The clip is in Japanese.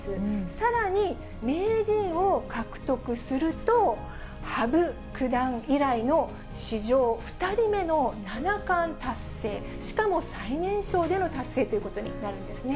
さらに名人を獲得すると、羽生九段以来の史上２人目の七冠達成、しかも最年少での達成ということになるんですね。